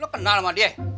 lo kenal sama dia